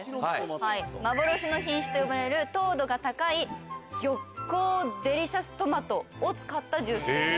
幻の品種と呼ばれる糖度が高い玉光デリシャストマトを使ったジュースです。